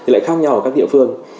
lại khác nhau ở các địa phương